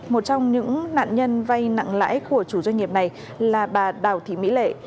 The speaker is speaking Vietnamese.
một trong những nạn nhân vay nặng lãi của chủ doanh nghiệp này là bà đào thị mỹ lệ